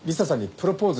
プロポーズ？